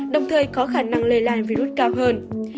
đồng thời có khả năng lây lan virus cao hơn